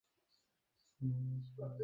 এখানকার জীবনগুলোও হুমকির মুখে!